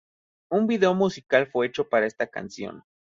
Un video musical fue hecho para esta canción.